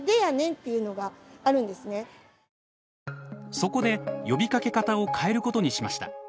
そこで呼びかけ方を変えることにしました。